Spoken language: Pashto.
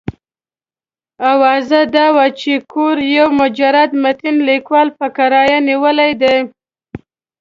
اوازه دا وه چې کور یو مجرد متین لیکوال په کرایه نیولی دی.